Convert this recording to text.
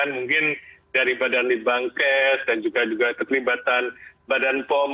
mungkin dari badan di bangkes dan juga juga kekelibatan badan pom